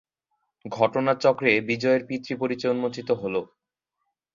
ঘটনাচক্রে বিজয়ের পিতৃপরিচয় উন্মোচিত হল।